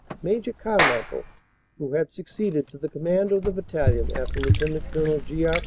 Major Carmichael, who had succeeded to the com mand of the battalion after Lt Col. G. R.